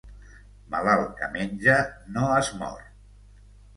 Malalt que menja no es mor.